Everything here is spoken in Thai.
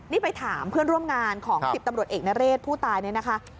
นี่ไปถามเพื่อนร่วมงานของ๑๐ตำรวจเอกนเรศผู้ตายเนี่ยนะคะ